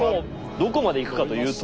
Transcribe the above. どこまでいくかというと。